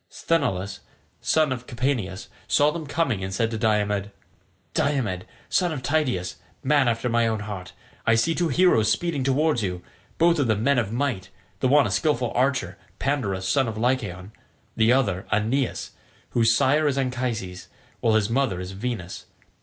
Sthenelus, son of Capaneus, saw them coming and said to Diomed, "Diomed, son of Tydeus, man after my own heart, I see two heroes speeding towards you, both of them men of might the one a skilful archer, Pandarus son of Lycaon, the other, Aeneas, whose sire is Anchises, while his mother is Venus.